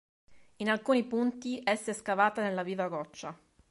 In alcuni punti essa è scavata nella viva roccia.